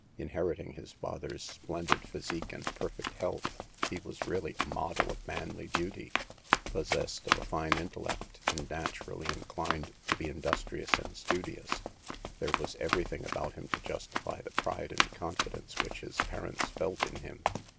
Inheriting his father's splendid physique and perfect health, he was really a model of manly beauty. Possessed of a fine intellect, and naturally inclined to be industrious and studious, there was every thing about him to justify the pride and confidence which his parents felt in him.